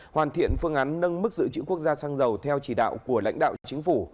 hoàn thiện phương án nâng mức dự trữ quốc gia xăng dầu theo chỉ đạo của lãnh đạo chính phủ